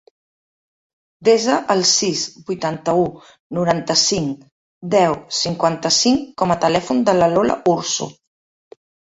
Desa el sis, vuitanta-u, noranta-cinc, deu, cinquanta-cinc com a telèfon de la Lola Ursu.